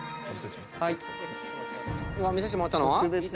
「見させてもらったの？」